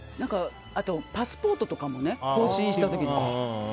あとパスポートとかも更新した時の。